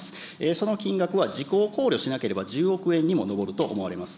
その金額は時効を考慮しなければ１０億円にも上ると思われます。